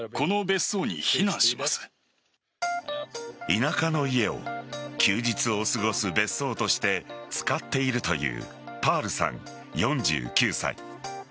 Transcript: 田舎の家を休日を過ごす別荘として使っているというパールさん、４９歳。